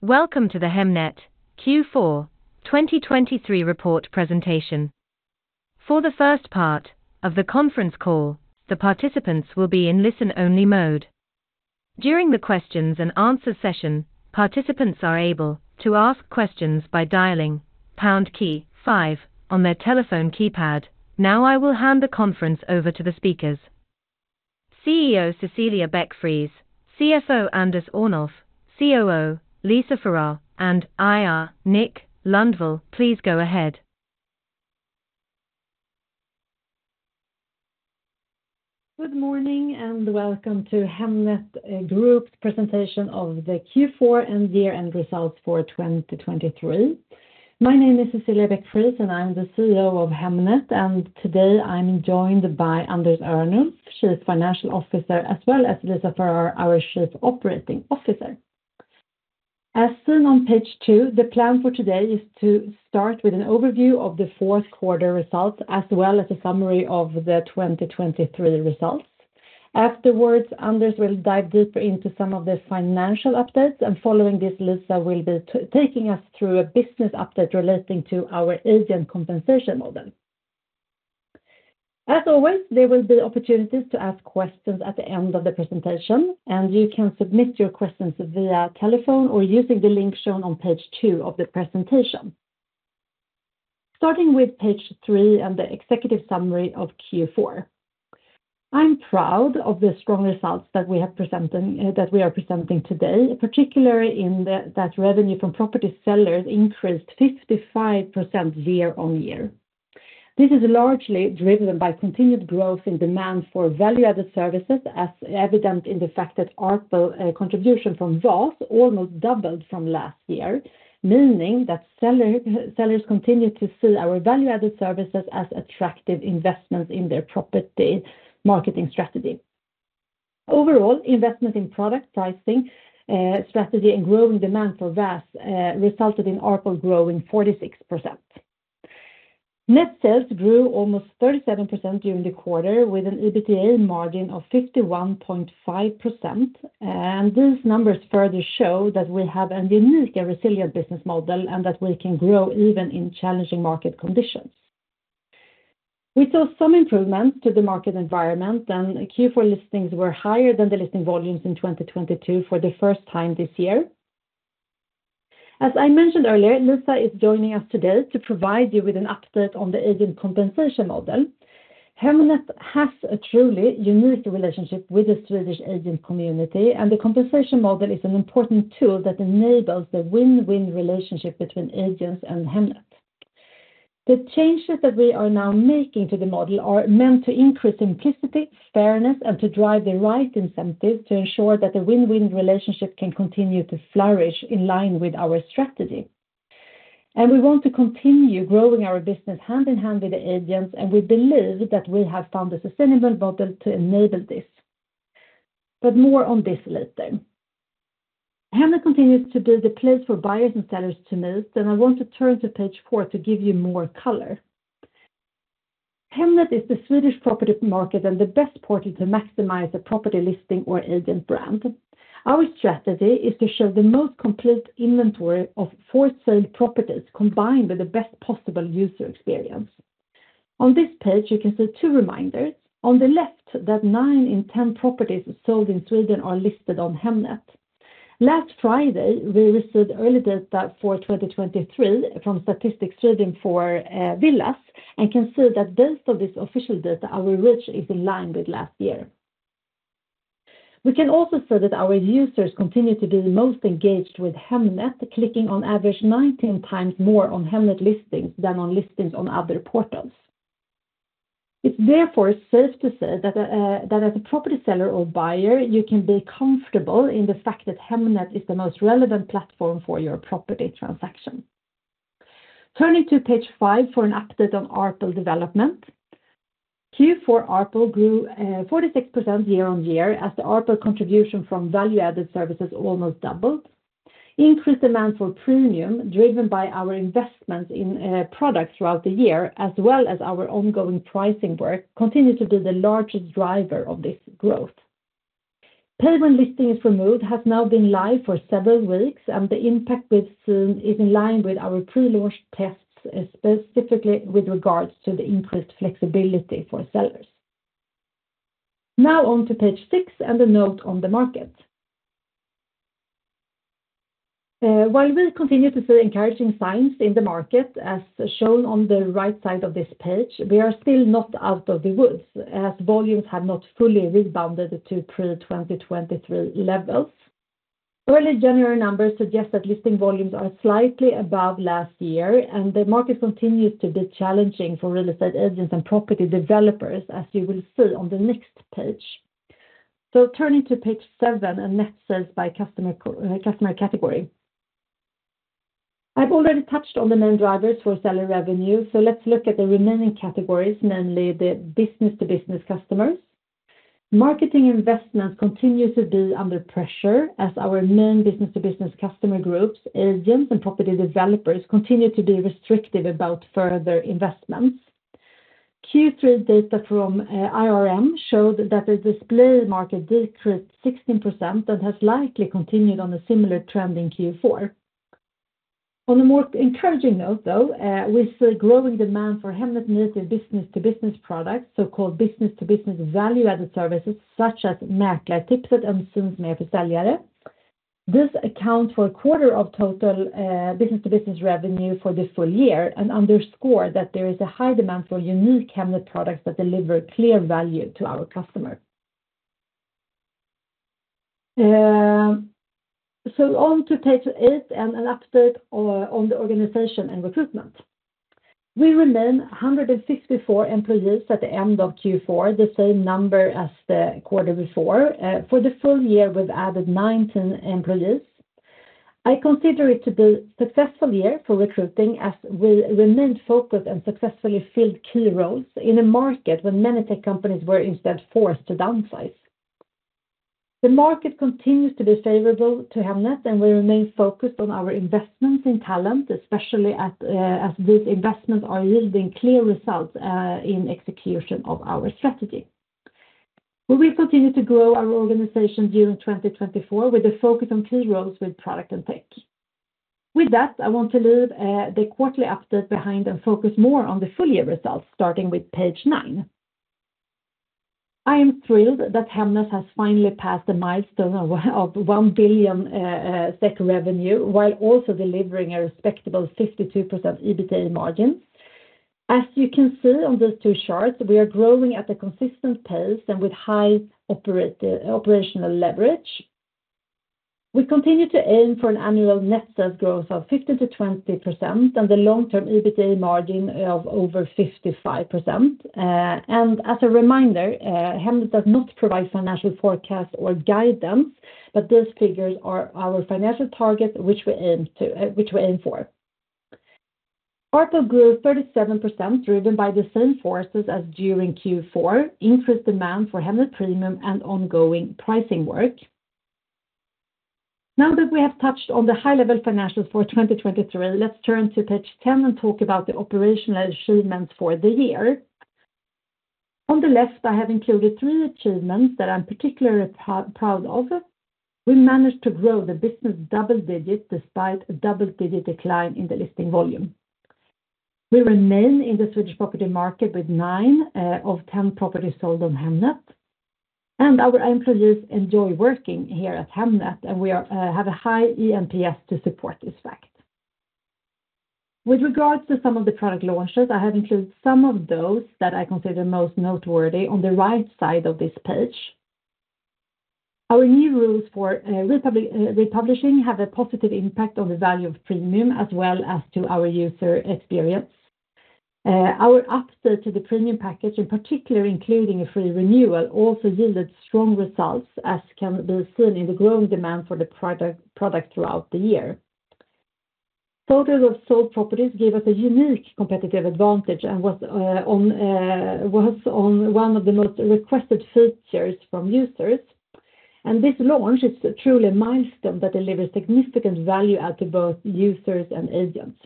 Welcome to the Hemnet Q4 2023 report presentation. For the first part of the conference call, the participants will be in listen-only mode. During the questions and answers session, participants are able to ask questions by dialing pound key five on their telephone keypad. Now, I will hand the conference over to the speakers. CEO Cecilia Beck-Friis, CFO Anders Örnulf, COO Lisa Farrar, and IR Nick Lundvall, please go ahead. Good morning, and welcome to Hemnet Group presentation of the Q4 and year-end results for 2023. My name is Cecilia Beck-Friis, and I'm the CEO of Hemnet, and today I'm joined by Anders Örnulf. He is Chief Financial Officer, as well as Lisa Farrar, our Chief Operating Officer. As seen on Page 2, the plan for today is to start with an overview of the fourth quarter results, as well as a summary of the 2023 results. Afterwards, Anders will dive deeper into some of the financial updates, and following this, Lisa will be taking us through a business update relating to our agent compensation model. As always, there will be opportunities to ask questions at the end of the presentation, and you can submit your questions via telephone or using the link shown on Page 2 of the presentation. Starting with Page 3 and the executive summary of Q4. I'm proud of the strong results that we are presenting today, particularly that revenue from property sellers increased 55% year-on-year. This is largely driven by continued growth in demand for value-added services, as evident in the fact that ARPL contribution from VAS almost doubled from last year, meaning that sellers continue to see our value-added services as attractive investments in their property marketing strategy. Overall, investment in product pricing strategy, and growing demand for VAS resulted in ARPL growing 46%. Net sales grew almost 37% during the quarter, with an EBITDA margin of 51.5%, and these numbers further show that we have a unique and resilient business model and that we can grow even in challenging market conditions. We saw some improvements to the market environment, and Q4 listings were higher than the listing volumes in 2022 for the first time this year. As I mentioned earlier, Lisa is joining us today to provide you with an update on the agent compensation model. Hemnet has a truly unique relationship with the Swedish agent community, and the compensation model is an important tool that enables the win-win relationship between agents and Hemnet. The changes that we are now making to the model are meant to increase simplicity, fairness, and to drive the right incentives to ensure that the win-win relationship can continue to flourish in line with our strategy. We want to continue growing our business hand in hand with the agents, and we believe that we have found a sustainable model to enable this. More on this later. Hemnet continues to be the place for buyers and sellers to meet, and I want to turn to Page 4 to give you more color. Hemnet is the Swedish property market and the best portal to maximize a property listing or agent brand. Our strategy is to show the most complete inventory of for-sale properties, combined with the best possible user experience. On this page, you can see two reminders. On the left, that nine in 10 properties sold in Sweden are listed on Hemnet. Last Friday, we received early data for 2023 from Statistics Sweden for villas and can see that based on this official data, our reach is in line with last year. We can also see that our users continue to be most engaged with Hemnet, clicking on average 19x more on Hemnet listings than on listings on other portals. It's therefore safe to say that, that as a property seller or buyer, you can be comfortable in the fact that Hemnet is the most relevant platform for your property transaction. Turning to Page 5 for an update on ARPL development. Q4 ARPL grew, 46% year-on-year, as the ARPL contribution from value-added services almost doubled. Increased demand for premium, driven by our investments in, products throughout the year, as well as our ongoing pricing work, continued to be the largest driver of this growth. Pay when listing is removed has now been live for several weeks, and the impact we've seen is in line with our pre-launch tests, specifically with regards to the increased flexibility for sellers. Now on to Page 6 and a note on the market. While we continue to see encouraging signs in the market, as shown on the right side of this page, we are still not out of the woods, as volumes have not fully rebounded to pre-2023 levels. Early January numbers suggest that listing volumes are slightly above last year, and the market continues to be challenging for real estate agents and property developers, as you will see on the next page. So turning to Page 7, and net sales by customer category. I've already touched on the main drivers for seller revenue, so let's look at the remaining categories, namely the business-to-business customers. Marketing investments continue to be under pressure as our main business-to-business customer groups, agents and property developers, continue to be restrictive about further investments.... Q3 data from IRM showed that the display market decreased 16% and has likely continued on a similar trend in Q4. On a more encouraging note, though, we see a growing demand for Hemnet News in business-to-business products, so-called business-to-business value-added services such as Mäklartipset and Syns mer för säljare. This accounts for a quarter of total business-to-business revenue for the full year, and underscore that there is a high demand for unique Hemnet products that deliver clear value to our customers. So on to Page 8 and an update on the organization and recruitment. We remain 164 employees at the end of Q4, the same number as the quarter before. For the full year, we've added 19 employees. I consider it to be successful year for recruiting, as we remained focused and successfully filled key roles in a market where many tech companies were instead forced to downsize. The market continues to be favorable to Hemnet, and we remain focused on our investments in talent, especially as, as these investments are yielding clear results, in execution of our strategy. We will continue to grow our organization during 2024, with a focus on key roles with product and tech. With that, I want to leave, the quarterly update behind and focus more on the full year results, starting with Page 9. I am thrilled that Hemnet has finally passed the milestone of 1 billion SEK revenue, while also delivering a respectable 52% EBITDA margin. As you can see on these two charts, we are growing at a consistent pace and with high operational leverage. We continue to aim for an annual net sales growth of 15%-20% and the long-term EBITDA margin of over 55%. As a reminder, Hemnet does not provide financial forecast or guidance, but those figures are our financial targets, which we aim to, which we aim for. ARPL grew 37%, driven by the same forces as during Q4, increased demand for Hemnet Premium and ongoing pricing work. Now that we have touched on the high-level financials for 2023, let's turn to Page 10 and talk about the operational achievements for the year. On the left, I have included three achievements that I'm particularly proud of. We managed to grow the business double digits, despite a double-digit decline in the listing volume. We remain in the Swedish property market, with nine of 10 properties sold on Hemnet, and our employees enjoy working here at Hemnet, and we have a high eNPS to support this fact. With regards to some of the product launches, I have included some of those that I consider most noteworthy on the right side of this page. Our new rules for republishing have a positive impact on the value of Premium, as well as to our user experience. Our upsell to the Premium package, in particular, including a free renewal, also yielded strong results, as can be seen in the growing demand for the product throughout the year. Photos of sold properties give us a unique competitive advantage and was on one of the most requested features from users. This launch is truly a milestone that delivers significant value add to both users and agents.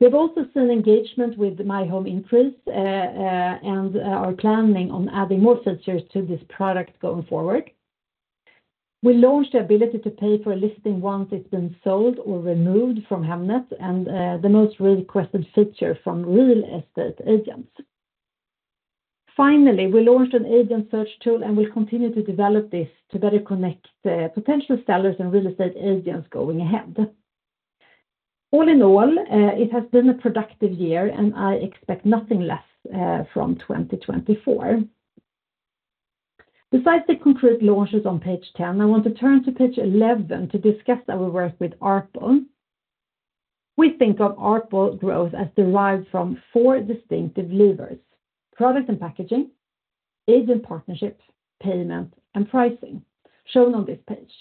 We've also seen engagement with My Home increase and are planning on adding more features to this product going forward. We launched the ability to pay for a listing once it's been sold or removed from Hemnet and the most requested feature from real estate agents. Finally, we launched an agent search tool, and we'll continue to develop this to better connect potential sellers and real estate agents going ahead. All in all, it has been a productive year, and I expect nothing less from 2024. Besides the concrete launches on Page 10, I want to turn to Page 11 to discuss our work with ARPL. We think of ARPL growth as derived from four distinctive levers: product and packaging, agent partnerships, payment, and pricing, shown on this page.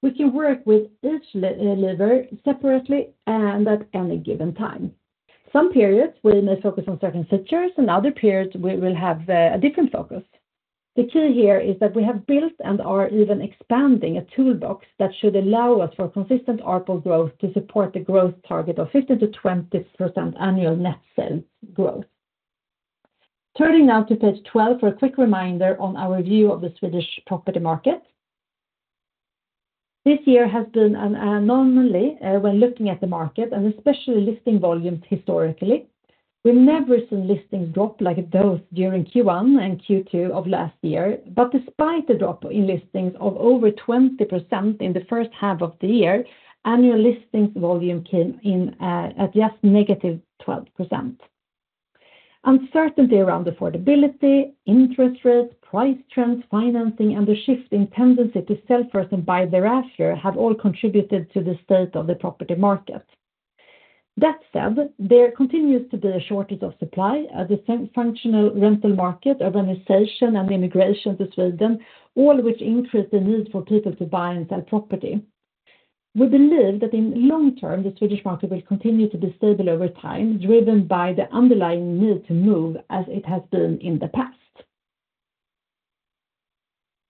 We can work with each lever separately and at any given time. Some periods, we may focus on certain features, and other periods we will have a different focus. The key here is that we have built and are even expanding a toolbox that should allow us for consistent ARPL growth to support the growth target of 15%-20% annual net sales growth. Turning now to Page 12 for a quick reminder on our view of the Swedish property market. This year has been an anomaly when looking at the market and especially listing volumes historically. We've never seen listings drop like those during Q1 and Q2 of last year, but despite the drop in listings of over 20% in the first half of the year, annual listings volume came in at just -12%. Uncertainty around affordability, interest rates, price trends, financing, and the shifting tendency to sell first and buy thereafter have all contributed to the state of the property market. That said, there continues to be a shortage of supply, a dysfunctional rental market, urbanization, and immigration to Sweden, all which increase the need for people to buy and sell property. We believe that in long term, the Swedish market will continue to be stable over time, driven by the underlying need to move as it has been in the past....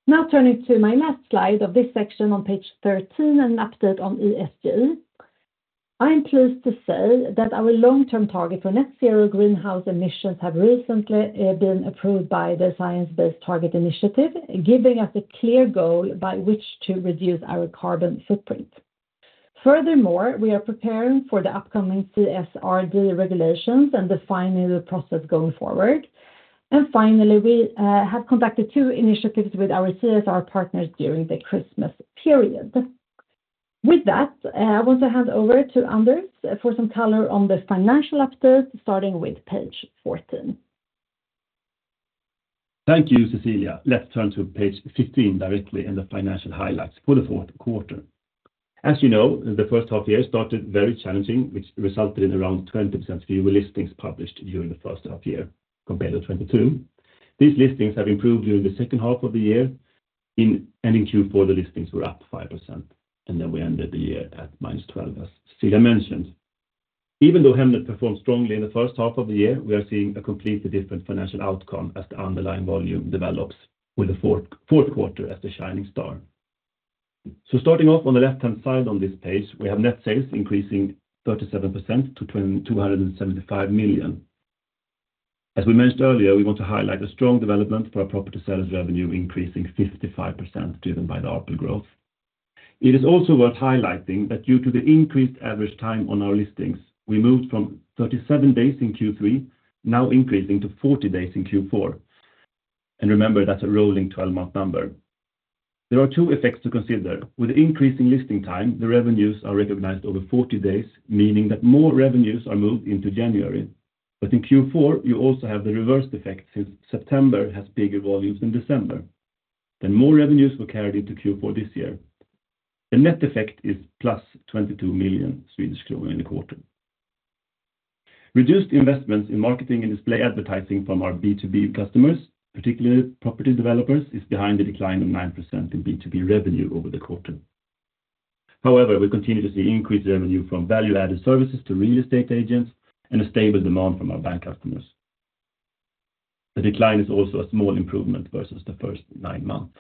Now turning to my last slide of this section on Page 13 and an update on ESG. I'm pleased to say that our long-term target for net zero greenhouse emissions have recently been approved by the Science Based Targets initiative, giving us a clear goal by which to reduce our carbon footprint. Furthermore, we are preparing for the upcoming CSRD regulations and defining the process going forward. And finally, we have conducted two initiatives with our CSR partners during the Christmas period. With that, I want to hand over to Anders for some color on the financial update, starting with Page 14. Thank you, Cecilia. Let's turn to Page 15 directly, and the financial highlights for the fourth quarter. As you know, the first half year started very challenging, which resulted in around 20% fewer listings published during the first half year compared to 2022. These listings have improved during the second half of the year. In ending Q4, the listings were up 5%, and then we ended the year at -12, as Cecilia mentioned. Even though Hemnet performed strongly in the first half of the year, we are seeing a completely different financial outcome as the underlying volume develops with the fourth, fourth quarter as the shining star. So starting off on the left-hand side on this page, we have net sales increasing 37% to 275 million. As we mentioned earlier, we want to highlight a strong development for our property sellers' revenue, increasing 55%, driven by the ARPL growth. It is also worth highlighting that due to the increased average time on our listings, we moved from 37 days in Q3, now increasing to 40 days in Q4. Remember, that's a rolling twelve-month number. There are two effects to consider. With increasing listing time, the revenues are recognized over 40 days, meaning that more revenues are moved into January. But in Q4, you also have the reverse effect since September has bigger volumes than December, and more revenues were carried into Q4 this year. The net effect is +22 million Swedish kronor in the quarter. Reduced investments in marketing and display advertising from our B2B customers, particularly property developers, is behind the decline of 9% in B2B revenue over the quarter. However, we continue to see increased revenue from value-added services to real estate agents and a stable demand from our bank customers. The decline is also a small improvement versus the first nine months.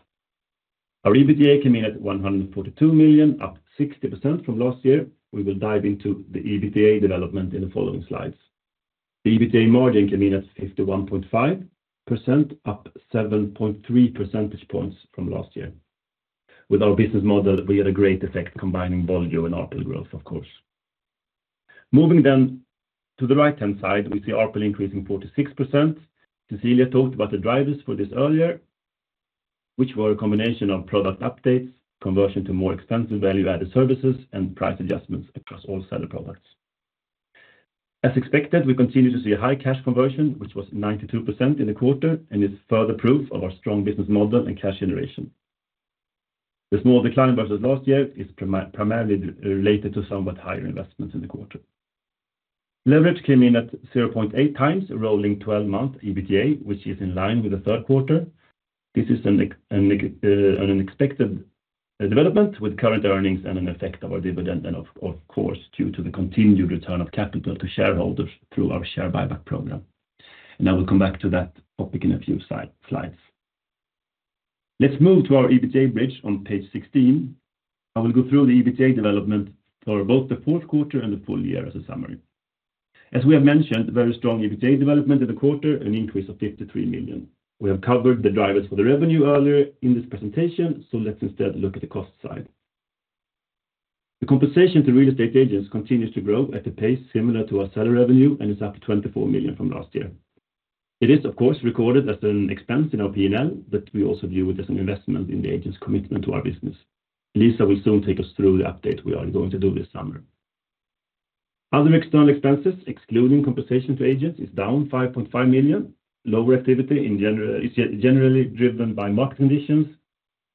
Our EBITDA came in at 142 million, up 60% from last year. We will dive into the EBITDA development in the following slides. The EBITDA margin came in at 51.5%, up 7.3 percentage points from last year. With our business model, we had a great effect combining volume and ARPL growth, of course. Moving then to the right-hand side, we see ARPL increasing 46%. Cecilia talked about the drivers for this earlier, which were a combination of product updates, conversion to more expensive value-added services, and price adjustments across all seller products. As expected, we continue to see a high cash conversion, which was 92% in the quarter and is further proof of our strong business model and cash generation. The small decline versus last year is primarily related to somewhat higher investments in the quarter. Leverage came in at 0.8x, rolling 12-month EBITDA, which is in line with the third quarter. This is an expected development with current earnings and an effect of our dividend, and of course, due to the continued return of capital to shareholders through our share buyback program. And I will come back to that topic in a few slides. Let's move to our EBITDA bridge on Page 16. I will go through the EBITDA development for both the fourth quarter and the full year as a summary. As we have mentioned, very strong EBITDA development in the quarter, an increase of 53 million. We have covered the drivers for the revenue earlier in this presentation, so let's instead look at the cost side. The compensation to real estate agents continues to grow at a pace similar to our seller revenue and is up 24 million from last year. It is, of course, recorded as an expense in our P&L, but we also view it as an investment in the agent's commitment to our business. Lisa will soon take us through the update we are going to do this summer. Other external expenses, excluding compensation to agents, is down 5.5 million. Lower activity in general is generally driven by market conditions,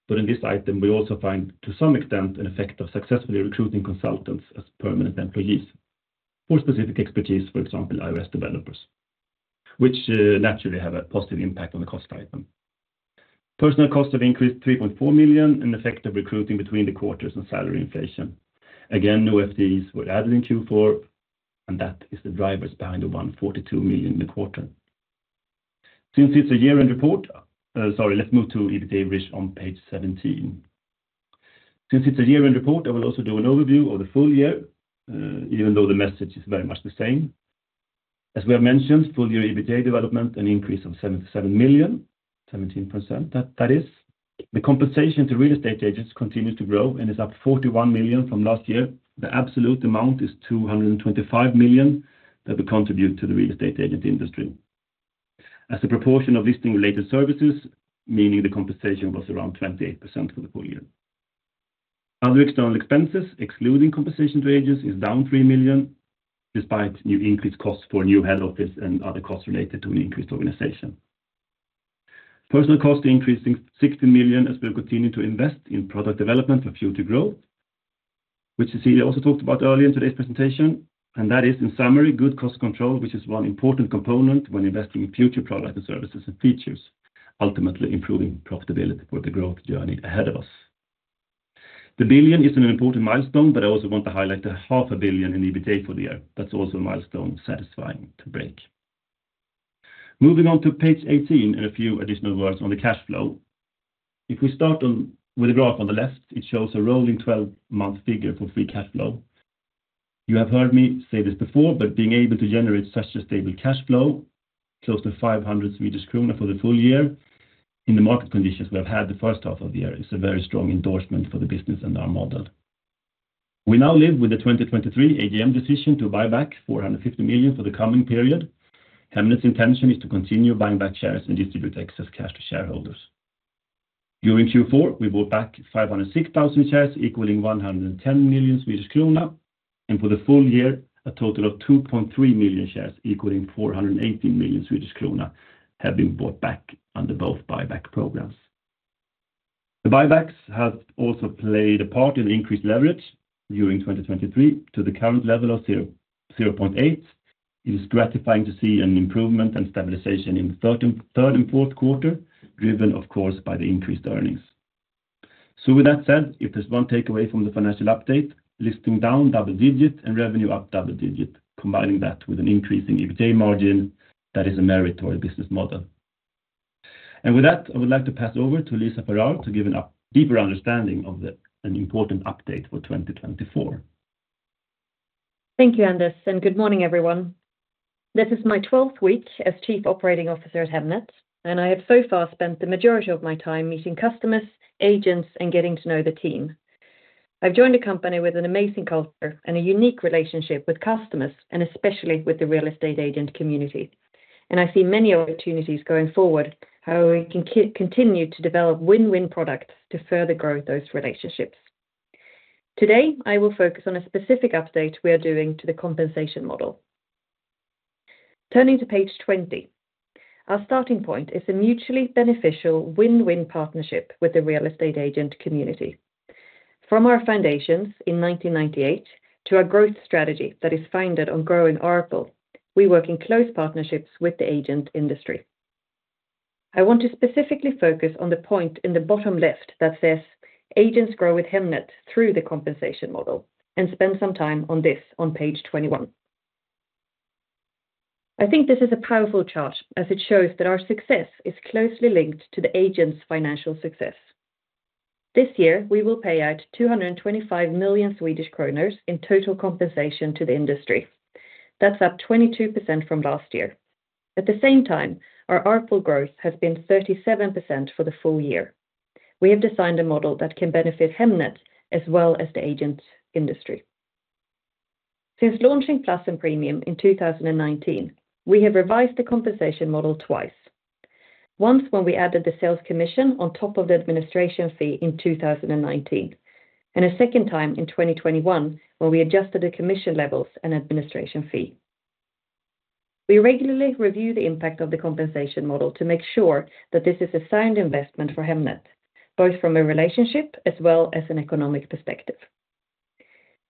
but in this item, we also find, to some extent, an effect of successfully recruiting consultants as permanent employees for specific expertise, for example, iOS developers, which naturally have a positive impact on the cost item. Personnel costs have increased 3.4 million, an effect of recruiting between the quarters and salary inflation. Again, new FTEs were added in Q4, and that is the drivers behind the 142 million in the quarter. Since it's a year-end report, let's move to EBITDA bridge on Page 17. Since it's a year-end report, I will also do an overview of the full year, even though the message is very much the same. As we have mentioned, full year EBITDA development, an increase of 77 million, 17% that, that is. The compensation to real estate agents continues to grow and is up 41 million from last year. The absolute amount is 225 million that we contribute to the real estate agent industry. As a proportion of listing-related services, meaning the compensation was around 28% for the full year. Other external expenses, excluding compensation to agents, is down 3 million, despite new increased costs for a new head office and other costs related to an increased organization. Personal costs increasing 60 million as we continue to invest in product development for future growth, which Cecilia also talked about earlier in today's presentation, and that is, in summary, good cost control, which is one important component when investing in future products and services and features, ultimately improving profitability for the growth journey ahead of us. 1 billion is an important milestone, but I also want to highlight the 500 million in EBITDA for the year. That's also a milestone satisfying to break. Moving on to Page 18 and a few additional words on the cash flow. If we start with the graph on the left, it shows a rolling 12-month figure for free cash flow. You have heard me say this before, but being able to generate such a stable cash flow, close to 500 million Swedish kronor for the full year, in the market conditions we have had the first half of the year, is a very strong endorsement for the business and our model. We now live with the 2023 AGM decision to buy back 450 million for the coming period. Hemnet's intention is to continue buying back shares and distribute excess cash to shareholders. During Q4, we bought back 506,000 shares, equaling 110 million Swedish krona, and for the full year, a total of 2.3 million shares, equaling 418 million Swedish krona, have been bought back under both buyback programs. The buybacks have also played a part in increased leverage during 2023 to the current level of 0.8. It is gratifying to see an improvement and stabilization in third and fourth quarter, driven, of course, by the increased earnings. So with that said, if there's one takeaway from the financial update, listing down double digit and revenue up double digit, combining that with an increase in EBITDA margin, that is a meritorious business model. With that, I would like to pass over to Lisa Farrar to give a deeper understanding of an important update for 2024. Thank you, Anders, and good morning, everyone. This is my 12th week as Chief Operating Officer at Hemnet, and I have so far spent the majority of my time meeting customers, agents, and getting to know the team. I've joined a company with an amazing culture and a unique relationship with customers, and especially with the real estate agent community. And I see many opportunities going forward, how we can continue to develop win-win products to further grow those relationships. Today, I will focus on a specific update we are doing to the compensation model. Turning to Page 20, our starting point is a mutually beneficial win-win partnership with the real estate agent community. From our foundations in 1998 to our growth strategy that is founded on growing ARPL, we work in close partnerships with the agent industry. I want to specifically focus on the point in the bottom left that says, "Agents grow with Hemnet through the compensation model," and spend some time on this on Page 21. I think this is a powerful chart as it shows that our success is closely linked to the agent's financial success. This year, we will pay out 225 million Swedish kronor in total compensation to the industry. That's up 22% from last year. At the same time, our ARPL growth has been 37% for the full year. We have designed a model that can benefit Hemnet as well as the agent industry. Since launching Plus and Premium in 2019, we have revised the compensation model twice. Once when we added the sales commission on top of the administration fee in 2019, and a second time in 2021, when we adjusted the commission levels and administration fee. We regularly review the impact of the compensation model to make sure that this is a sound investment for Hemnet, both from a relationship as well as an economic perspective.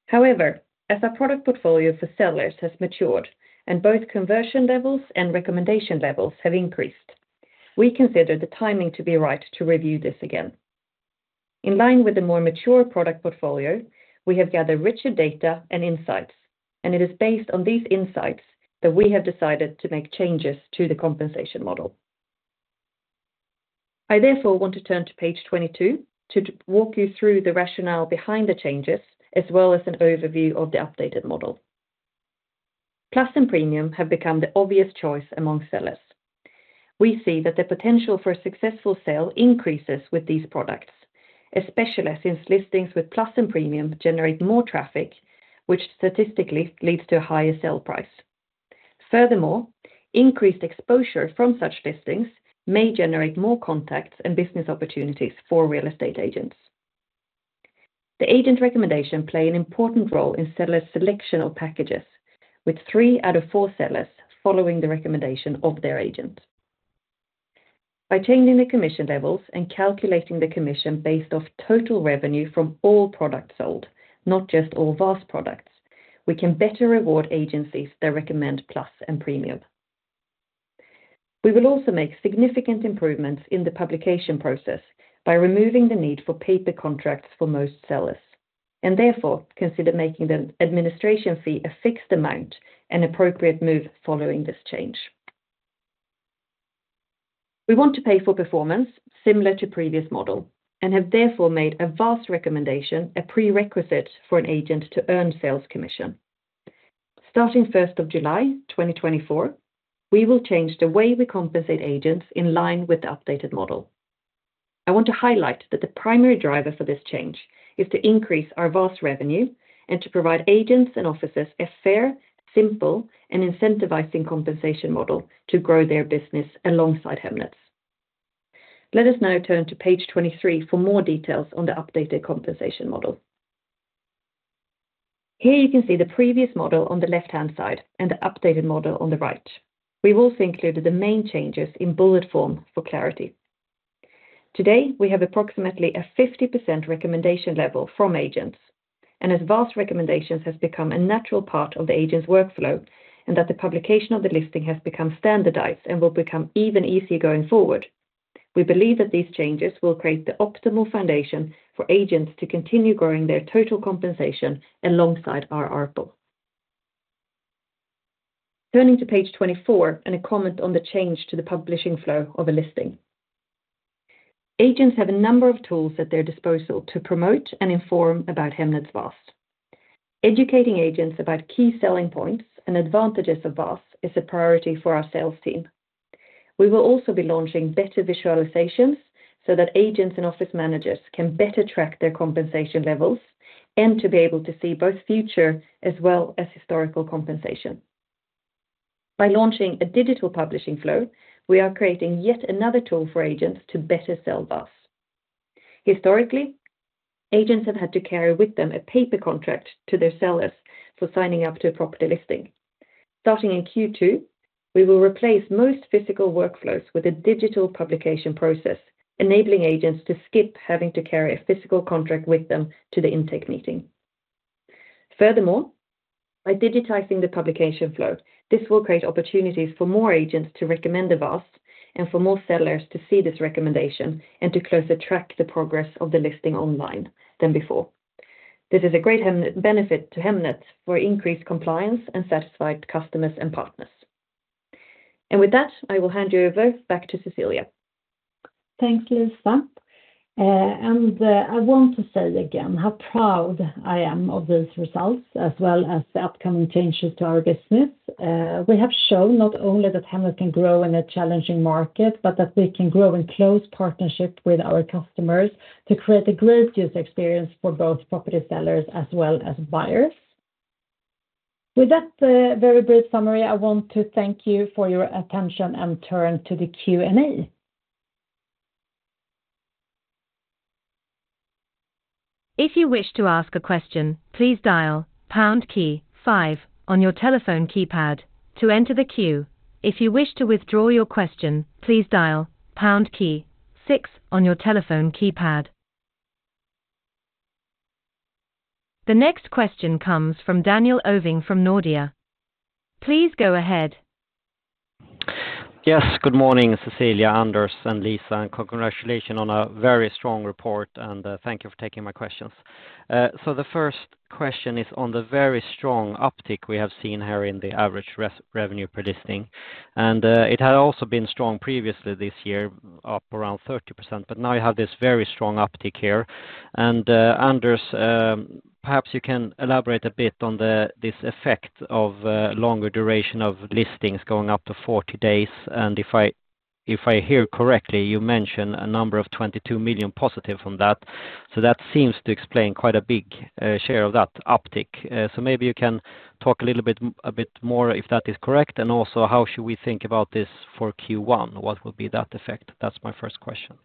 However, as our product portfolio for sellers has matured and both conversion levels and recommendation levels have increased, we consider the timing to be right to review this again. In line with the more mature product portfolio, we have gathered richer data and insights, and it is based on these insights that we have decided to make changes to the compensation model. I therefore want to turn to Page 22 to walk you through the rationale behind the changes, as well as an overview of the updated model. Plus and Premium have become the obvious choice among sellers. We see that the potential for a successful sale increases with these products, especially since listings with Plus and Premium generate more traffic, which statistically leads to a higher sale price. Furthermore, increased exposure from such listings may generate more contacts and business opportunities for real estate agents. The agent recommendation play an important role in seller's selection of packages, with three out of four sellers following the recommendation of their agent. By changing the commission levels and calculating the commission based off total revenue from all products sold, not just all VAS products, we can better reward agencies that recommend Plus and Premium. We will also make significant improvements in the publication process by removing the need for paper contracts for most sellers, and therefore, consider making the administration fee a fixed amount, an appropriate move following this change. We want to pay for performance similar to previous model, and have therefore made a VAS recommendation, a prerequisite for an agent to earn sales commission. Starting July 1, 2024, we will change the way we compensate agents in line with the updated model. I want to highlight that the primary driver for this change is to increase our VAS revenue and to provide agents and officers a fair, simple, and incentivizing compensation model to grow their business alongside Hemnet. Let us now turn to Page 23 for more details on the updated compensation model. Here you can see the previous model on the left-hand side and the updated model on the right. We've also included the main changes in bullet form for clarity. Today, we have approximately a 50% recommendation level from agents, and as VAS recommendations has become a natural part of the agent's workflow, and that the publication of the listing has become standardized and will become even easier going forward. We believe that these changes will create the optimal foundation for agents to continue growing their total compensation alongside our ARPL. Turning to Page 24, a comment on the change to the publishing flow of a listing. Agents have a number of tools at their disposal to promote and inform about Hemnet's VAS. Educating agents about key selling points and advantages of VAS is a priority for our sales team. We will also be launching better visualizations, so that agents and office managers can better track their compensation levels, and to be able to see both future as well as historical compensation. By launching a digital publishing flow, we are creating yet another tool for agents to better sell VAS. Historically, agents have had to carry with them a paper contract to their sellers for signing up to a property listing. Starting in Q2, we will replace most physical workflows with a digital publication process, enabling agents to skip having to carry a physical contract with them to the intake meeting. Furthermore, by digitizing the publication flow, this will create opportunities for more agents to recommend the VAS and for more sellers to see this recommendation and to closer track the progress of the listing online than before. This is a great Hemnet benefit to Hemnet for increased compliance and satisfied customers and partners. With that, I will hand you over back to Cecilia. Thanks, Lisa. I want to say again, how proud I am of those results, as well as the upcoming changes to our business. We have shown not only that Hemnet can grow in a challenging market, but that we can grow in close partnership with our customers to create a great user experience for both property sellers as well as buyers. With that, very brief summary, I want to thank you for your attention and turn to the Q&A. If you wish to ask a question, please dial pound key five on your telephone keypad to enter the queue. If you wish to withdraw your question, please dial pound key six on your telephone keypad. The next question comes from Daniel Ovin from Nordea. Please go ahead. Yes, good morning, Cecilia, Anders, and Lisa, and congratulations on a very strong report, and thank you for taking my questions. So the first question is on the very strong uptick we have seen here in the average revenue per listing, and it had also been strong previously this year, up around 30%, but now you have this very strong uptick here. Anders, perhaps you can elaborate a bit on this effect of longer duration of listings going up to 40 days, and if I hear correctly, you mentioned a number of 22 million positive from that. So that seems to explain quite a big share of that uptick. So maybe you can talk a little bit more, if that is correct, and also, how should we think about this for Q1? What will be that effect? That's my first question.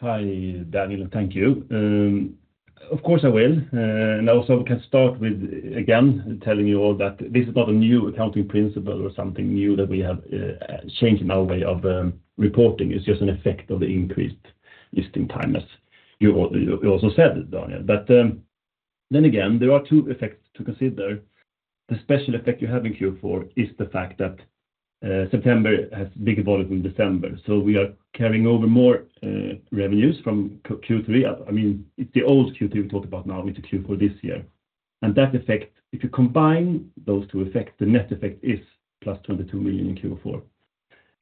Hi, Daniel. Thank you. Of course, I will. And also we can start with, again, telling you all that this is not a new accounting principle or something new that we have changed in our way of reporting. It's just an effect of the increased listing time, as you also said, Daniel. But, then again, there are two effects to consider. The special effect you have in Q4 is the fact that September has big volume than December, so we are carrying over more revenues from Q3. I mean, it's the old Q3 we talked about now, it's Q4 this year. And that effect, if you combine those two effects, the net effect is plus 22 million in Q4.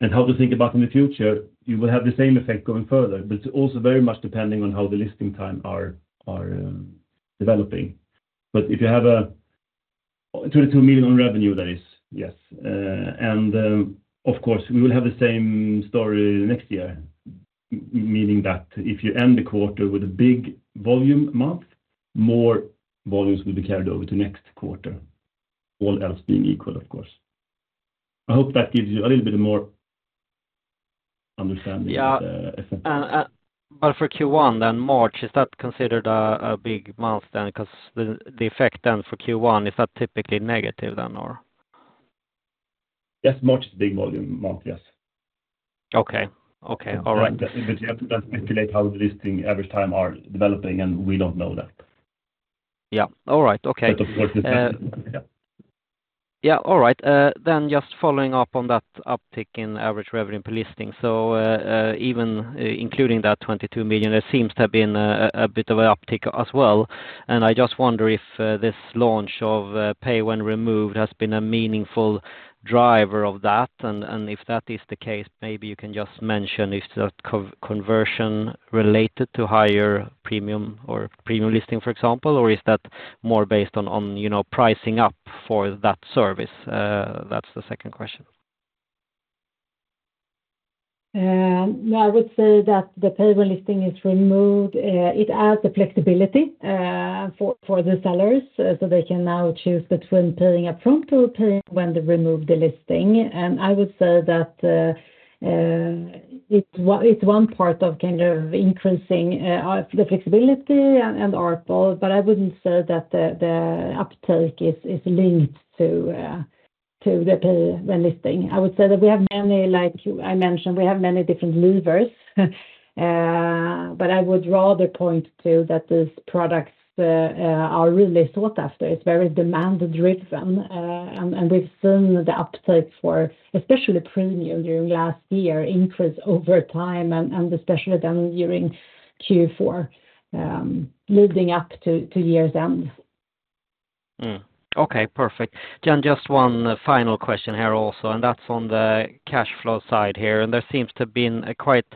And how to think about in the future, you will have the same effect going further, but it's also very much depending on how the listing time are developing. But if you have 22 million on revenue, that is. Yes, and, of course, we will have the same story next year, meaning that if you end the quarter with a big volume month, more volumes will be carried over to next quarter, all else being equal, of course. I hope that gives you a little bit more understanding of the effect. Yeah, but for Q1, then March, is that considered a big month then? Because the effect then for Q1, is that typically negative then, or? Yes, March is a big volume month, yes. Okay. Okay, all right. You have to speculate how the listing average time are developing, and we don't know that. Yeah. All right. Okay. Of course, yeah. Yeah, all right. Then just following up on that uptick in average revenue per listing. So, even including that 22 million, there seems to have been a bit of an uptick as well. And I just wonder if this launch of pay when removed has been a meaningful driver of that, and if that is the case, maybe you can just mention if that conversion related to higher premium or premium listing, for example, or is that more based on, you know, pricing up for that service? That's the second question. Yeah, I would say that the pay when listing is removed adds a flexibility for the sellers, so they can now choose between paying upfront or paying when they remove the listing. And I would say that it's one part of kind of increasing the flexibility and ARPL, but I wouldn't say that the uptake is linked to the pay when listing is removed. I would say that we have many, like I mentioned, we have many different levers, but I would rather point to that these products are really sought after. It's very demand-driven, and we've seen the uptake for especially Premium during last year increase over time, and especially then during Q4, leading up to year's end. Okay, perfect. Then just one final question here also, and that's on the cash flow side here. And there seems to have been a quite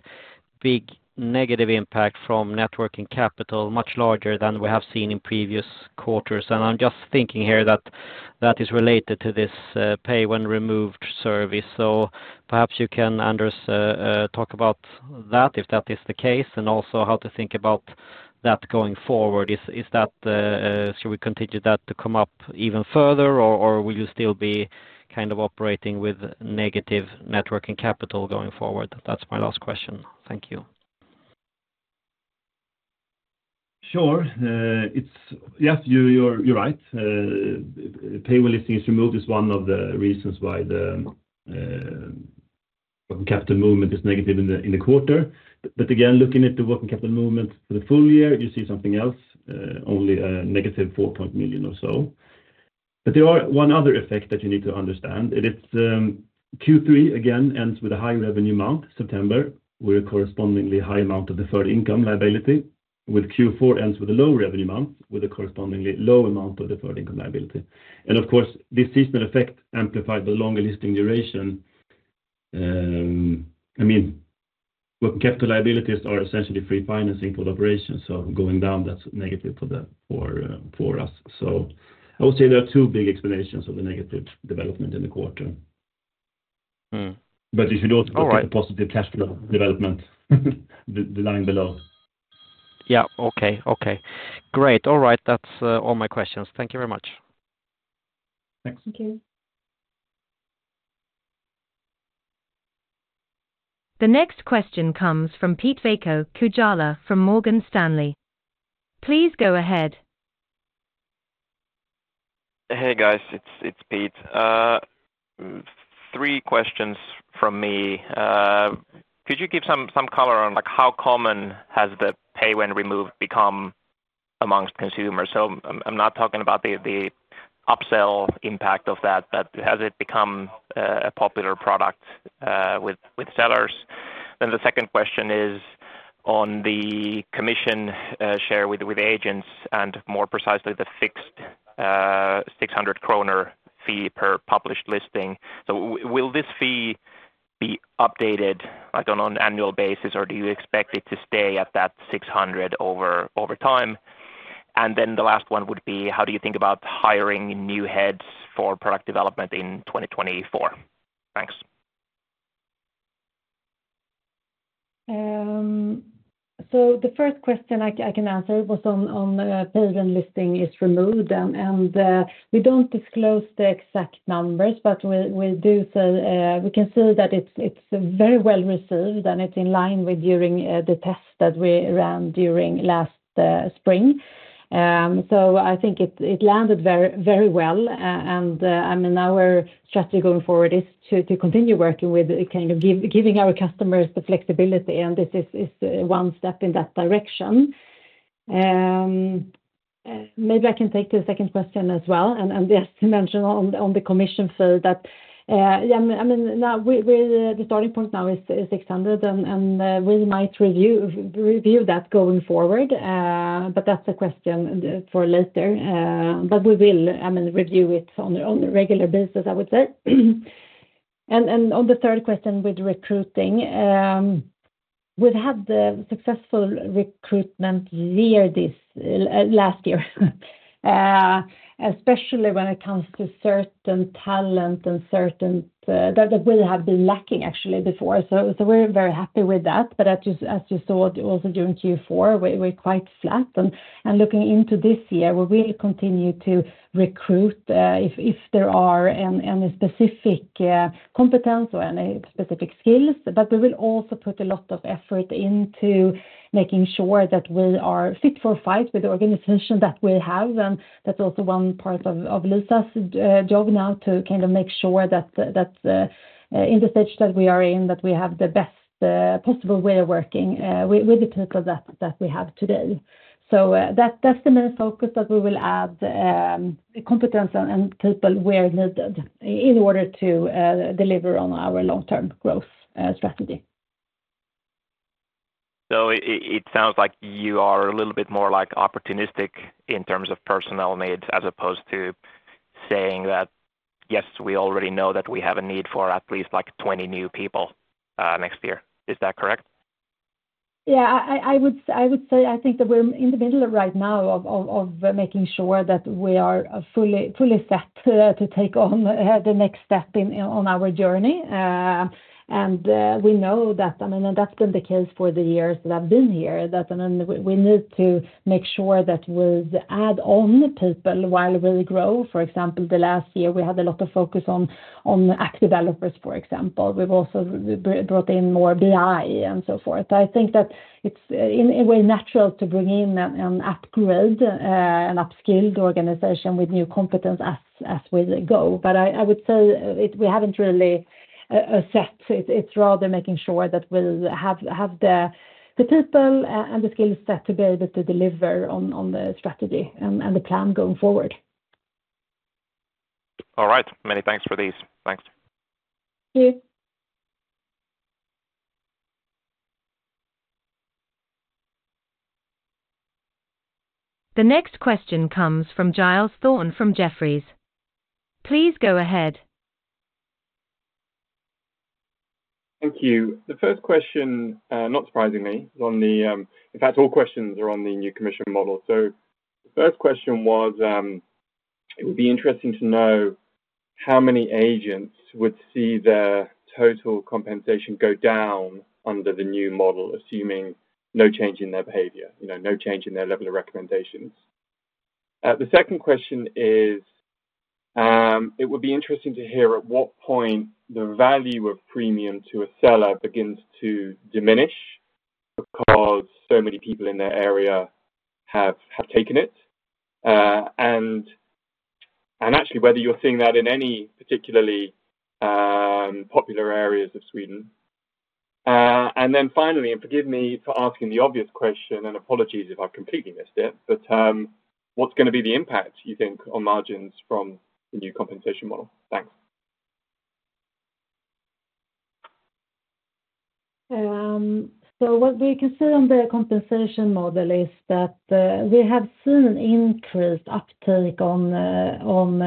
big negative impact from working capital, much larger than we have seen in previous quarters. And I'm just thinking here that that is related to this, pay when removed service. So perhaps you can, Anders, talk about that, if that is the case, and also how to think about that going forward. Is, is that the—shall we continue that to come up even further, or, or will you still be kind of operating with negative working capital going forward? That's my last question. Thank you. Sure. It's—yes, you're right. Pay When Listing is Removed is one of the reasons why the working capital movement is negative in the quarter. But again, looking at the working capital movement for the full year, you see something else, only a negative 4 million or so. But there are one other effect that you need to understand, and it's Q3, again, ends with a high revenue amount, September, with a correspondingly high amount of deferred income liability, with Q4 ends with a low revenue amount, with a correspondingly low amount of deferred income liability. And of course, this seasonal effect amplified the longer listing duration. I mean, working capital liabilities are essentially free financing for operations, so going down, that's negative for us. I would say there are two big explanations of the negative development in the quarter. All right. If you look at the positive cash flow development, the line below. Yeah. Okay, okay. Great. All right. That's all my questions. Thank you very much. Thanks. Thank you. The next question comes from Pete-Veikko Kujala from Morgan Stanley. Please go ahead. Hey, guys, it's, it's Pete. Three questions from me. Could you give some, some color on, like, how common has the pay when removed become among consumers? So I'm, I'm not talking about the, the upsell impact of that, but has it become a, a popular product with, with sellers? Then the second question is on the commission share with, with agents, and more precisely, the fixed 600 kronor fee per published listing. So will this fee be updated, I don't know, on an annual basis, or do you expect it to stay at that 600 over, over time? And then the last one would be: How do you think about hiring new heads for product development in 2024? Thanks. So the first question I can answer was on Pay When Listing is Removed, and we don't disclose the exact numbers, but we do so, we can see that it's very well received, and it's in line with during the test that we ran during last spring. So I think it landed very well, and I mean, our strategy going forward is to continue working with it, kind of giving our customers the flexibility, and this is one step in that direction. Maybe I can take the second question as well, and just to mention on the commission fee that, yeah, I mean, now the starting point now is 600, and we might review that going forward, but that's a question for later. But we will, I mean, review it on a regular basis, I would say. And on the third question with recruiting, we've had the successful recruitment year this last year, especially when it comes to certain talent and certain that we have been lacking actually before. So we're very happy with that, but as you saw, also during Q4, we're quite flat. Looking into this year, we will continue to recruit if there are any specific competence or any specific skills. But we will also put a lot of effort into making sure that we are fit for fight with the organization that we have, and that's also one part of Lisa's job now, to kind of make sure that in the stage that we are in, that we have the best possible way of working with the people that we have today. That's the main focus, that we will add competence and people where needed in order to deliver on our long-term growth strategy. So it sounds like you are a little bit more, like, opportunistic in terms of personnel needs, as opposed to saying that, "Yes, we already know that we have a need for at least, like, 20 new people next year." Is that correct? Yeah, I would say, I think that we're in the middle right now of making sure that we are fully set to take on the next step in our journey. We know that, I mean, that's been the case for the years that I've been here, that we need to make sure that we add on people while we grow. For example, the last year, we had a lot of focus on active developers, for example. We've also brought in more BI and so forth. I think that it's, in a way, natural to bring in an upgraded, an upskilled organization with new competence as we go. But I would say it, we haven't really set. It's rather making sure that we'll have the people and the skill set to be able to deliver on the strategy and the plan going forward. All right, many thanks for these. Thanks. The next question comes from Giles Thorne from Jefferies. Please go ahead. Thank you. The first question, not surprisingly, is on the. In fact, all questions are on the new commission model. So the first question was, it would be interesting to know how many agents would see their total compensation go down under the new model, assuming no change in their behavior, you know, no change in their level of recommendations. The second question is, it would be interesting to hear at what point the value of Premium to a seller begins to diminish because so many people in their area have taken it. And actually whether you're seeing that in any particularly popular areas of Sweden. And then finally, and forgive me for asking the obvious question, and apologies if I've completely missed it, but what's gonna be the impact, you think, on margins from the new compensation model? Thanks. So what we can see on the compensation model is that we have seen an increased uptake on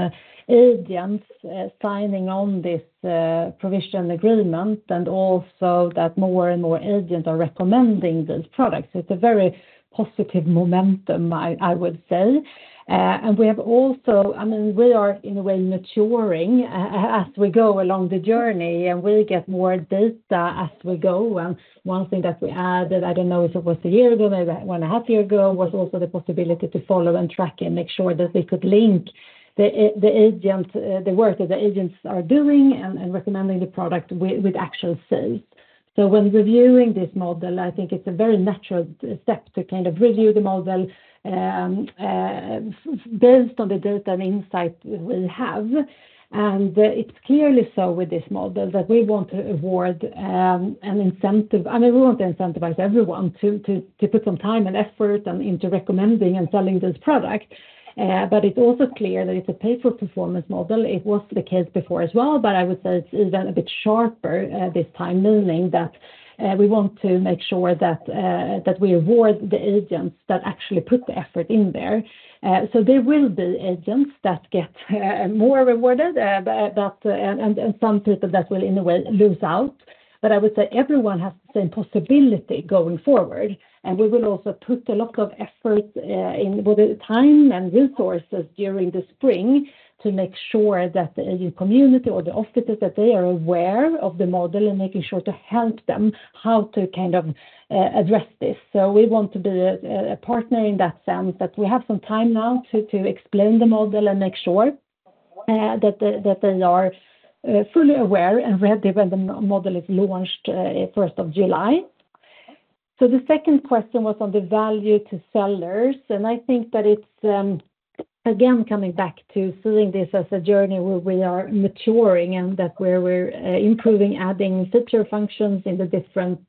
agents signing on this provision agreement, and also that more and more agents are recommending these products. It's a very positive momentum, I would say. And we have also, I mean, we are, in a way, maturing, as we go along the journey, and we get more data as we go. And one thing that we added, I don't know if it was a year ago, maybe one and a half year ago, was also the possibility to follow and track and make sure that we could link the agent, the work that the agents are doing and recommending the product with actual sales. So when reviewing this model, I think it's a very natural step to kind of review the model, based on the data and insight we have. And it's clearly so with this model, that we want to award an incentive. I mean, we want to incentivize everyone to put some time and effort and into recommending and selling this product. But it's also clear that it's a pay-for-performance model. It was the case before as well, but I would say it's even a bit sharper this time, meaning that we want to make sure that we reward the agents that actually put the effort in there. So there will be agents that get more rewarded, but that and some people that will, in a way, lose out. But I would say everyone has the same possibility going forward, and we will also put a lot of effort in both the time and resources during the spring to make sure that the agent community or the offices, that they are aware of the model and making sure to help them how to kind of address this. So we want to be a partner in that sense, that we have some time now to explain the model and make sure that they are fully aware and ready when the model is launched first of July. So the second question was on the value to sellers, and I think that it's again coming back to seeing this as a journey where we are maturing and that where we're improving, adding future functions in the different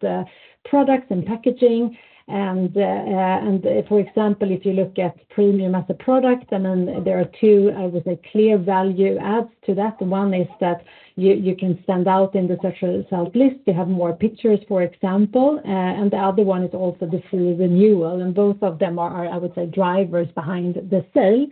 products and packaging. For example, if you look at Premium as a product, and then there are two, I would say, clear value adds to that. One is that you can stand out in the search result list. You have more pictures, for example, and the other one is also the free renewal, and both of them are, I would say, drivers behind the sale.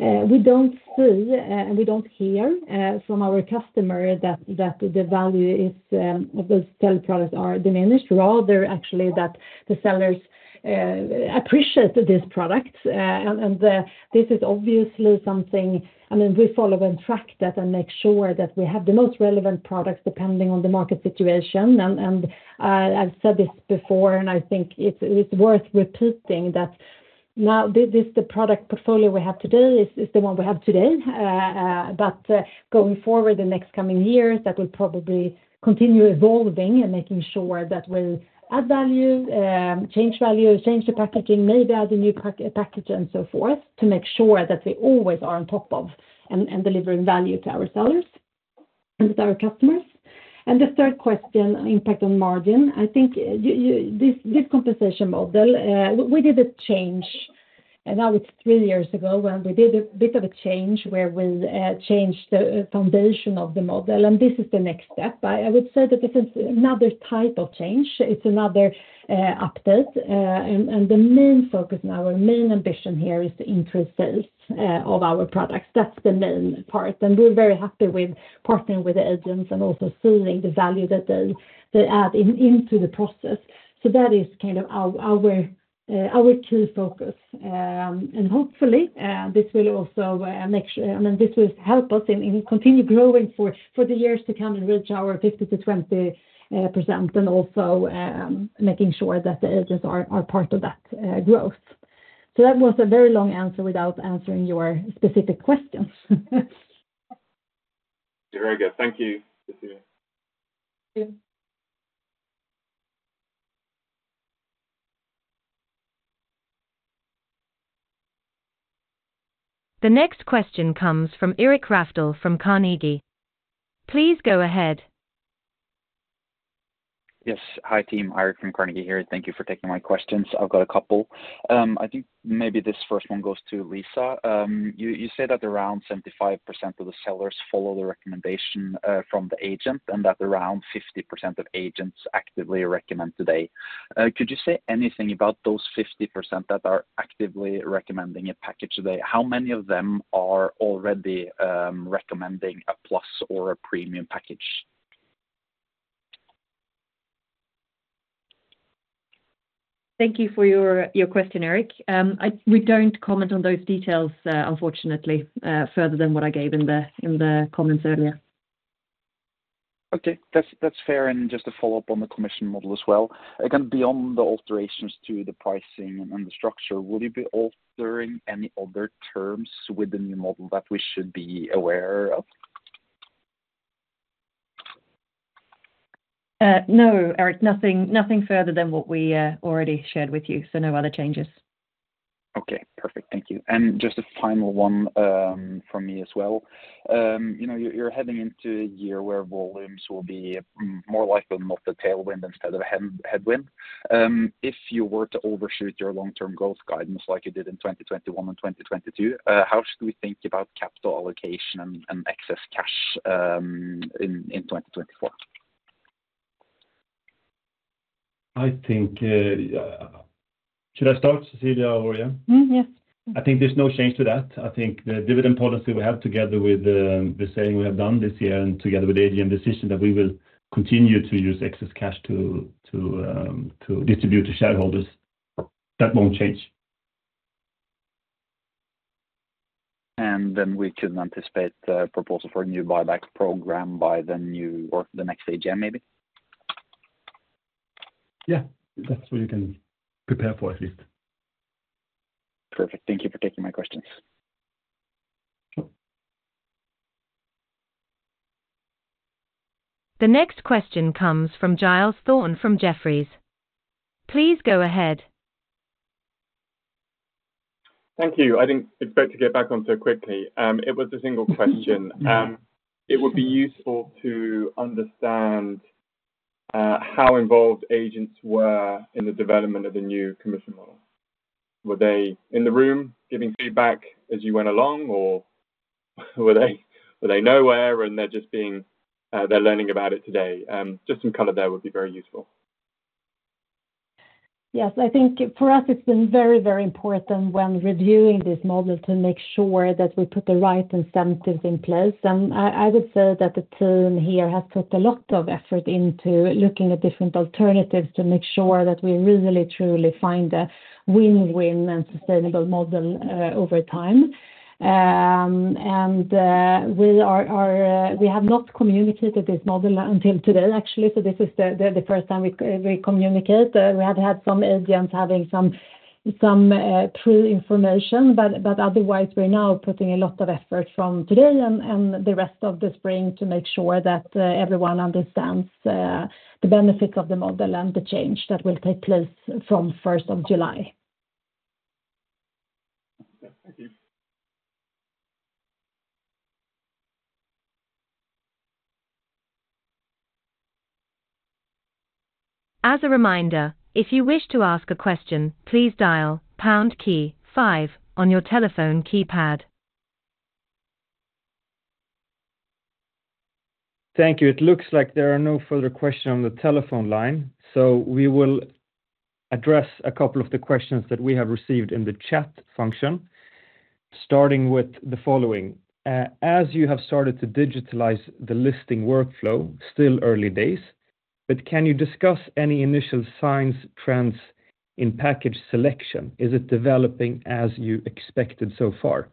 We don't see, and we don't hear, from our customer that the value is of those sell products are diminished, rather actually that the sellers appreciate this product. And this is obviously something... I mean, we follow and track that and make sure that we have the most relevant products depending on the market situation. I've said this before, and I think it's worth repeating, that now this, the product portfolio we have today is the one we have today. But going forward the next coming years, that will probably continue evolving and making sure that we add value, change value, change the packaging, maybe add a new package and so forth, to make sure that we always are on top of and delivering value to our sellers and to our customers. And the third question, impact on margin. I think this compensation model, we did a change, and now it's three years ago, when we did a bit of a change where we changed the foundation of the model, and this is the next step. I would say that this is another type of change. It's another update. And the main focus now, our main ambition here, is to increase sales of our products. That's the main part, and we're very happy with partnering with the agents and also seeing the value that they add into the process. So that is kind of our key focus. And hopefully, this will also make sure... I mean, this will help us in continue growing for the years to come and reach our 50%-20%, and also making sure that the agents are part of that growth. So that was a very long answer without answering your specific questions. Very good. Thank you. See you. See you. The next question comes from Eirik Rafdal from Carnegie. Please go ahead. Yes. Hi, team, Eirik from Carnegie here. Thank you for taking my questions. I've got a couple. I think maybe this first one goes to Lisa. You, you said that around 75% of the sellers follow the recommendation from the agent and that around 50% of agents actively recommend today. Could you say anything about those 50% that are actively recommending a package today? How many of them are already recommending a plus or a premium package? Thank you for your question, Eirik. We don't comment on those details, unfortunately, further than what I gave in the comments earlier. Okay, that's, that's fair. Just to follow up on the commission model as well. Again, beyond the alterations to the pricing and the structure, will you be altering any other terms with the new model that we should be aware of? No, Eirik, nothing, nothing further than what we already shared with you, so no other changes. Okay, perfect. Thank you. And just a final one from me as well. You know, you're heading into a year where volumes will be more like not the tailwind instead of a headwind. If you were to overshoot your long-term growth guidance like you did in 2021 and 2022, how should we think about capital allocation and excess cash in 2024? I think... Should I start, Cecilia or you? Yeah. I think there's no change to that. I think the dividend policy we have, together with, the saying we have done this year, and together with AGM decision, that we will continue to use excess cash to, to, distribute to shareholders. That won't change. And then we can anticipate the proposal for a new buyback program by the new or the next AGM, maybe? Yeah, that's what you can prepare for, at least. Perfect. Thank you for taking my questions. Sure. The next question comes from Giles Thorne from Jefferies. Please go ahead. Thank you. I think it's better to get back on so quickly. It was a single question. It would be useful to understand how involved agents were in the development of the new commission model. Were they in the room giving feedback as you went along, or were they nowhere, and they're learning about it today? Just some color there would be very useful. Yes. I think for us, it's been very, very important when reviewing this model to make sure that we put the right incentives in place. I would say that the team here has put a lot of effort into looking at different alternatives to make sure that we really, truly find a win-win and sustainable model over time. We have not communicated this model until today, actually. So this is the first time we communicate. We have had some agents having some pre-information, but otherwise, we're now putting a lot of effort from today and the rest of the spring to make sure that everyone understands the benefits of the model and the change that will take place from first of July. Yeah. Thank you. As a reminder, if you wish to ask a question, please dial pound key five on your telephone keypad. Thank you. It looks like there are no further questions on the telephone line, so we will address a couple of the questions that we have received in the chat function, starting with the following: As you have started to digitalize the listing workflow, still early days, but can you discuss any initial signs, trends in package selection? Is it developing as you expected so far?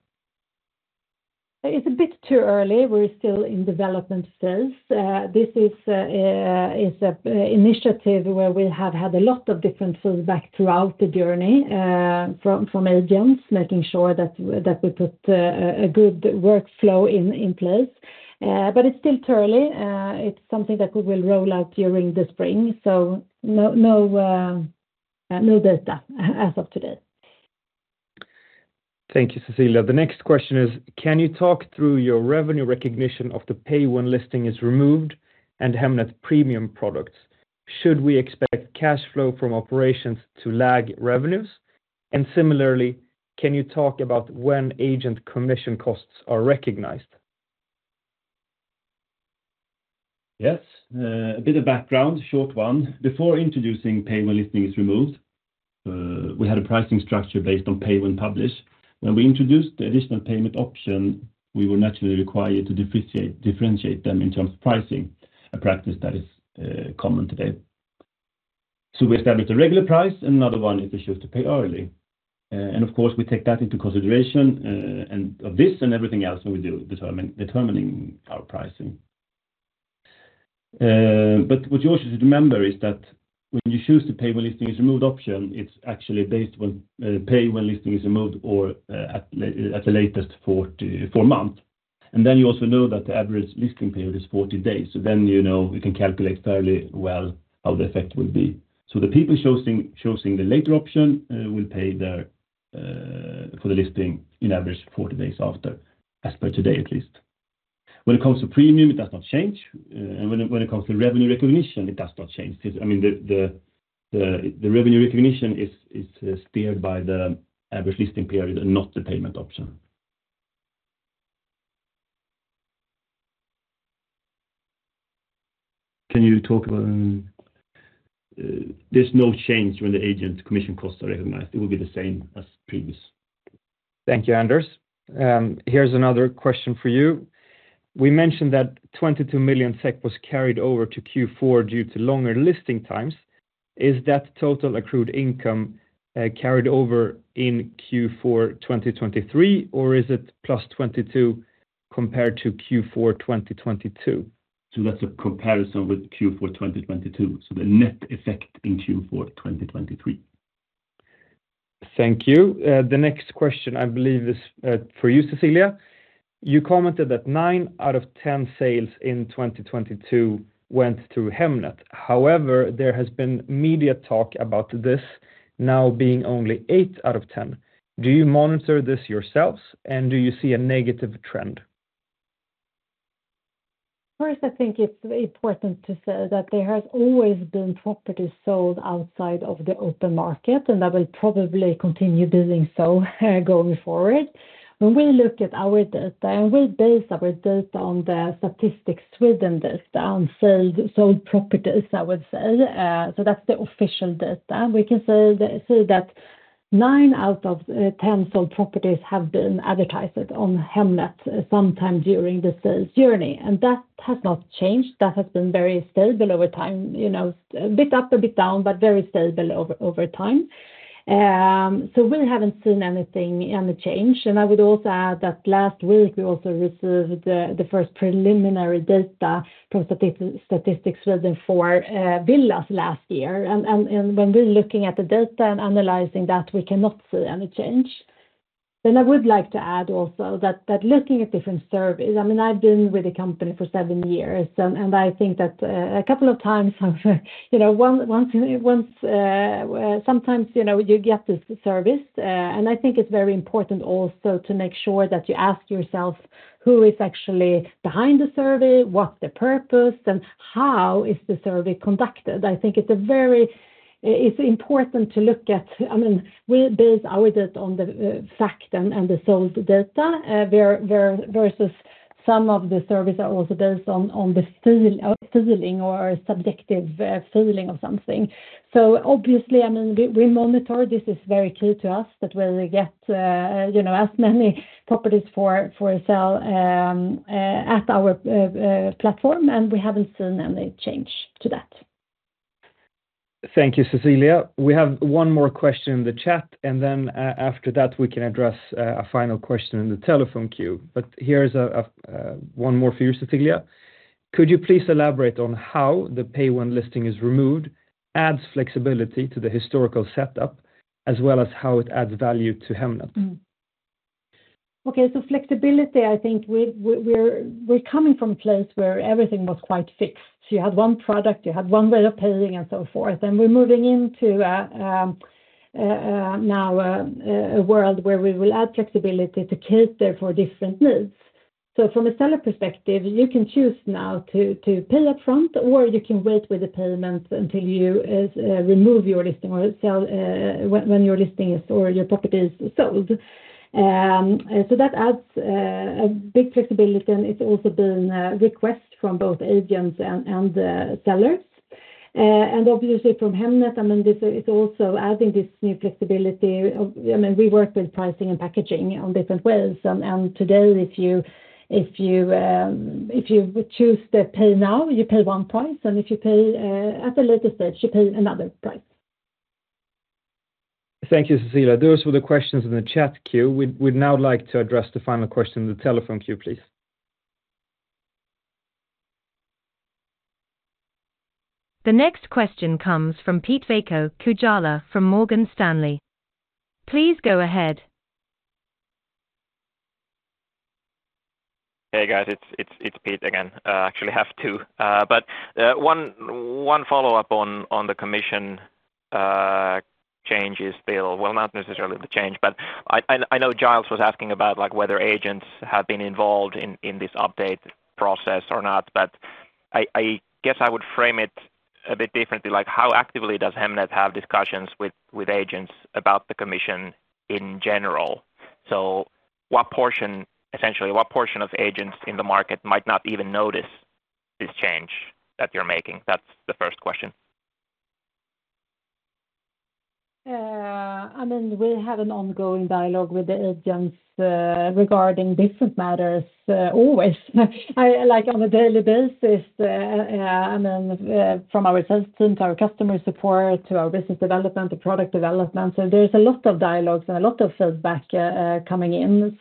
It's a bit too early. We're still in development phase. This is an initiative where we have had a lot of different feedback throughout the journey from agents, making sure that we put a good workflow in place. But it's still too early. It's something that we will roll out during the spring, so no data as of today. Thank you, Cecilia. The next question is: Can you talk through your revenue recognition of the Pay When Listing is Removed and Hemnet's Premium products? Should we expect cash flow from operations to lag revenues? And similarly, can you talk about when agent commission costs are recognized? Yes. A bit of background, short one. Before introducing Pay When Listing is Removed, we had a pricing structure based on pay when published. When we introduced the additional payment option, we were naturally required to differentiate them in terms of pricing, a practice that is common today. So we established a regular price and another one, if you choose to pay early. And of course, we take that into consideration, and of this and everything else when we do determine our pricing. But what you also should remember is that when you choose to Pay When Listing is Removed option, it's actually based on Pay When Listing is Removed or at the latest four months. And then you also know that the average listing period is 40 days. So then, you know, we can calculate fairly well how the effect will be. So the people choosing the later option will pay their for the listing in average, 40 days after, as per today, at least. When it comes to Premium, it does not change. And when it comes to revenue recognition, it does not change. Because, I mean, the revenue recognition is steered by the average listing period and not the payment option. Can you talk about, there's no change when the agent commission costs are recognized. It will be the same as previous. Thank you, Anders. Here's another question for you. We mentioned that 22 million SEK was carried over to Q4 due to longer listing times. Is that total accrued income, carried over in Q4 2023, or is it +22 compared to Q4 2022? So that's a comparison with Q4 2022, so the net effect in Q4 2023. Thank you. The next question, I believe, is for you, Cecilia. You commented that nine out of ten sales in 2022 went through Hemnet. However, there has been media talk about this now being only eight out of ten. Do you monitor this yourselves, and do you see a negative trend? First, I think it's important to say that there has always been properties sold outside of the open market, and that will probably continue doing so, going forward. When we look at our data, and we base our data on the statistics within this, on sold, sold properties, I would say. So that's the official data. We can say, say that nine out of ten sold properties have been advertised on Hemnet sometime during the sales journey, and that has not changed. That has been very stable over time, you know, a bit up, a bit down, but very stable over time. So we haven't seen anything any change. And I would also add that last week, we also received the first preliminary data from Statistics Sweden for villas last year. When we're looking at the data and analyzing that, we cannot see any change. Then I would like to add also that looking at different surveys, I mean, I've been with the company for seven years, and I think that a couple of times, you know, once, sometimes, you know, you get these surveys, and I think it's very important also to make sure that you ask yourself who is actually behind the survey, what's the purpose, and how is the survey conducted? I think it's very important to look at. I mean, we base our data on the fact and the sold data versus some of the surveys are also based on the feeling or subjective feeling of something. So obviously, I mean, we monitor. This is very key to us, that we get you know, as many properties for sale at our platform, and we haven't seen any change to that. Thank you, Cecilia. We have one more question in the chat, and then after that, we can address a final question in the telephone queue. But here is one more for you, Cecilia. Could you please elaborate on how the Pay When Listing is Removed adds flexibility to the historical setup, as well as how it adds value to Hemnet? Okay, so flexibility, I think we're coming from a place where everything was quite fixed. You had one product, you had one way of paying and so forth, and we're moving into a now a world where we will add flexibility to cater for different needs. So from a seller perspective, you can choose now to pay up front, or you can wait with the payment until you remove your listing or sell when your listing is or your property is sold. So that adds a big flexibility, and it's also been a request from both agents and sellers. And obviously from Hemnet, I mean, this is also adding this new flexibility. I mean, we work with pricing and packaging on different ways. And today, if you choose to pay now, you pay one price, and if you pay at a later stage, you pay another price. Thank you, Cecilia. Those were the questions in the chat queue. We'd now like to address the final question in the telephone queue, please. The next question comes from Pete-Veikko Kujala from Morgan Stanley. Please go ahead. Hey, guys. It's Pete again. Actually, I have two. But one follow-up on the commission changes still. Well, not necessarily the change, but I know Giles was asking about, like, whether agents have been involved in this update process or not. But I guess I would frame it a bit differently, like, how actively does Hemnet have discussions with agents about the commission in general? So what portion, essentially, what portion of agents in the market might not even notice this change that you're making? That's the first question. I mean, we have an ongoing dialogue with the agents, regarding different matters, always, like, on a daily basis, and then, from our sales team, to our customer support, to our business development, to product development. So there's a lot of dialogues and a lot of feedback, coming in.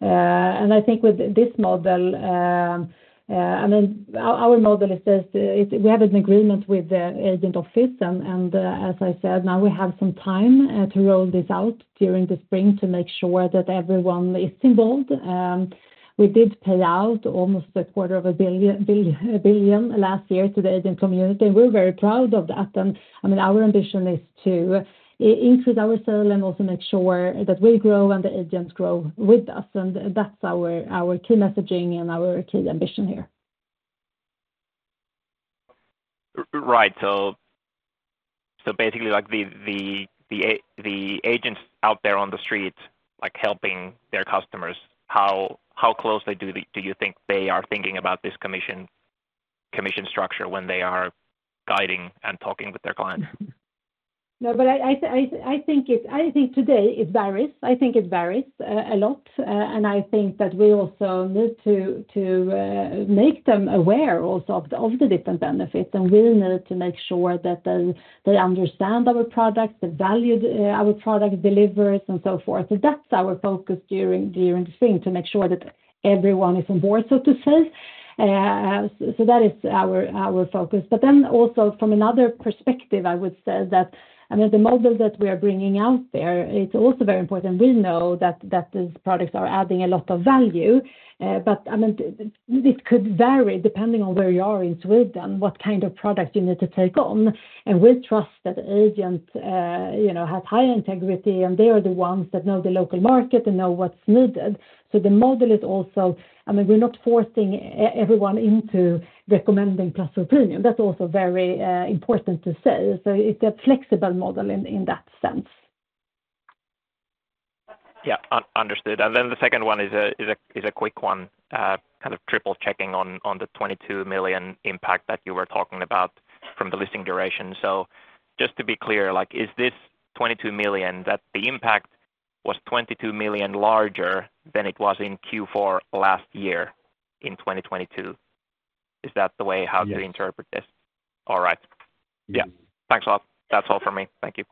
And I think with this model, I mean, our model is this, we have an agreement with the agent office, and, as I said, now we have some time, to roll this out during the spring to make sure that everyone is involved. We did pay out almost 250 million last year to the agent community. We're very proud of that, and, I mean, our ambition is to increase our sales and also make sure that we grow and the agents grow with us, and that's our, our key messaging and our key ambition here. Right. So basically like the agents out there on the street, like helping their customers, how closely do you think they are thinking about this commission structure when they are guiding and talking with their clients? No, but I think it's. I think today it varies. I think it varies a lot, and I think that we also need to make them aware also of the different benefits, and we need to make sure that they understand our product, the value our product delivers and so forth. So that's our focus during the spring, to make sure that everyone is on board, so to say. So that is our focus. But then also from another perspective, I would say that, I mean, the model that we are bringing out there, it's also very important. We know that these products are adding a lot of value, but, I mean, this could vary depending on where you are in Sweden, what kind of product you need to take on. We trust that agents, you know, have high integrity, and they are the ones that know the local market and know what's needed. So the model is also... I mean, we're not forcing everyone into recommending Plus or Premium. That's also very important to say. So it's a flexible model in that sense. Yeah, understood. And then the second one is a quick one, kind of triple-checking on the 22 million impact that you were talking about from the listing duration. So just to be clear, like, is this 22 million, that the impact was 22 million larger than it was in Q4 last year, in 2022? Is that the way how to interpret this? Yes. All right. Yeah. Thanks a lot. That's all for me. Thank you.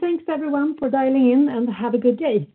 Thanks, everyone, for dialing in, and have a good day.